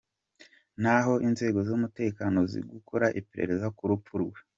Naho inzego z’umutekano zi gukora iperereza ku rupfu rwe.